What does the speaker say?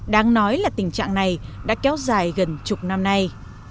đáng nói là tình trạng này đã kéo dài gần chục năm nay